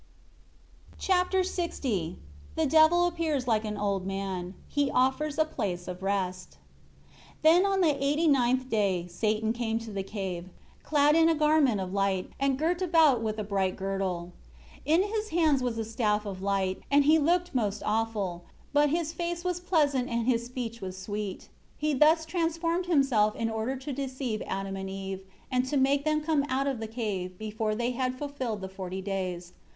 Chapter LX The Devil appears like an old man. He offers "a place of rest." 1 Then on the eighty ninth day, Satan came to the cave, clad in a garment of light, and girt about with a bright girdle. 2 In his hands was a staff of light, and he looked most awful; but his face was pleasant and his speech was sweet. 3 He thus transformed himself in order to deceive Adam and Eve, and to make them come out of the cave, before they had fulfilled the forty days.